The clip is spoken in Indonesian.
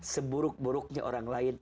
seburuk buruknya orang lain